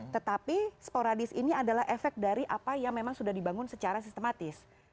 tetapi sporadis ini adalah efek dari apa yang memang sudah dibangun secara sistematis